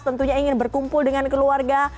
tentunya ingin berkumpul dengan keluarga